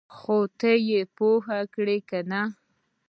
ـ خو ته یې پوهه نه کړې کنه!